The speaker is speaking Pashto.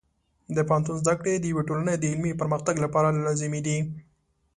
د پوهنتون زده کړې د یوې ټولنې د علمي پرمختګ لپاره لازمي دي.